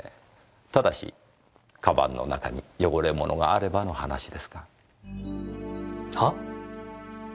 ただし鞄の中に汚れ物があればの話ですが。は？